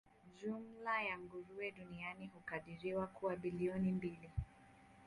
Jumla ya nguruwe duniani hukadiriwa kuwa bilioni mbili.